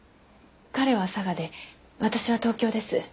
彼は佐賀で私は東京です。